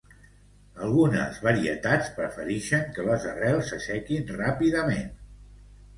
Algunes varietats preferixen que les arrels se sequen ràpidament.